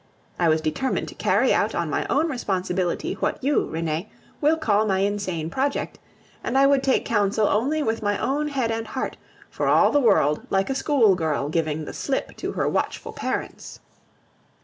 I was determined to carry out, on my own responsibility, what you, Renee, will call my insane project, and I would take counsel only with my own head and heart, for all the world like a schoolgirl giving the slip to her watchful parents.